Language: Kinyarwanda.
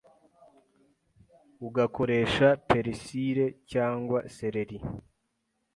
Ugakoresha perisire cyangwa sereri